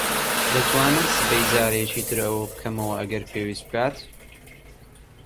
دەتوانم سبەی جارێکی تر ئەوە بکەمەوە ئەگەر پێویست بکات.